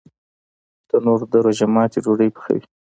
تنور د روژه ماتي ډوډۍ پخوي